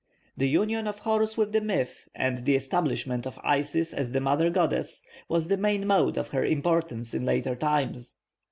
The union of Horus with the myth, and the establishment of Isis as the mother goddess, was the main mode of her importance in later times.